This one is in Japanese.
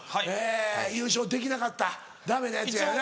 優勝できなかったダメなやつやよな？